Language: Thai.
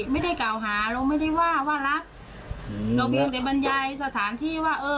ไม่ได้กล่าวหาเราไม่ได้ว่าว่ารักเราเพียงแต่บรรยายสถานที่ว่าเออ